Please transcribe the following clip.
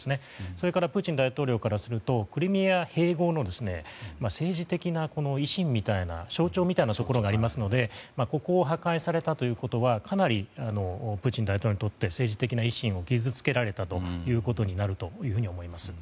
それとプーチン大統領からするとクリミア併合の政治的な威信象徴みたいなところがありますのでここを破壊されたということはかなりプーチン大統領にとって政治的な威信を傷つけられたということになると思います。